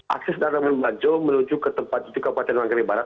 akses darat menuju ke tempat itu kabupaten manggarai barat